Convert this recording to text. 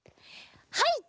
はい！